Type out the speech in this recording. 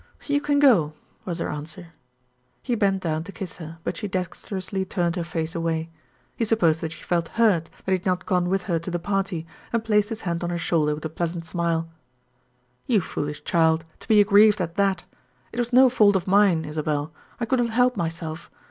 "You can go," was her answer. He bent down to kiss her, but she dexterously turned her face away. He supposed that she felt hurt that he had not gone with her to the party, and placed his hand on her shoulder with a pleasant smile. "You foolish child, to be aggrieved at that! It was no fault of mine, Isabel; I could not help myself.